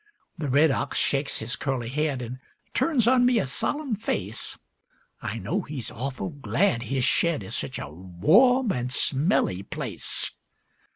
The red ox shakes his curly head, An' turns on me a solemn face; I know he's awful glad his shed Is such a warm and smelly place.